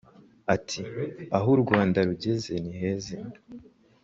Ati “Aho u Rwanda rugeze ni heza